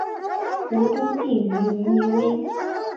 国都定于尼尼微。